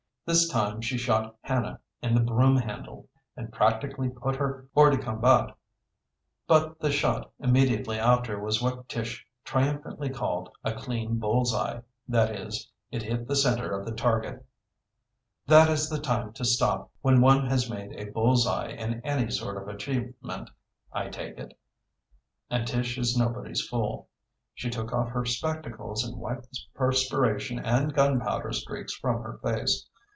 This time she shot Hannah in the broomhandle, and practically put her hors de combat; but the shot immediately after was what Tish triumphantly called a clean bull's eye that is, it hit the center of the target. That is the time to stop, when one has made a bull's eye in any sort of achievement, I take it. And Tish is nobody's fool. She took off her spectacles and wiped the perspiration and gunpowder streaks from her face.